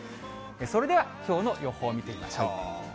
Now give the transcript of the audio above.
それではきょうの予報見てみましょう。